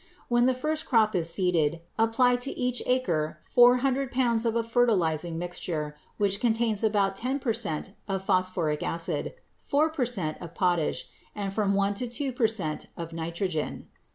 When the first crop is seeded, apply to each acre four hundred pounds of a fertilizing mixture which contains about ten per cent of phosphoric acid, four per cent of potash, and from one to two per cent of nitrogen.